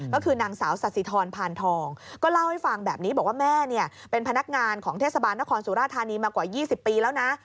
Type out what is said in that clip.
ก็คือนางสาวสาธิธรพานทองก็เล่าให้ฟังแบบนี้บอกว่าแม่เนี่ยเป็นพนักงานของเทศบาลนครสุราธานีมากว่า๒๐ปีแล้วนะ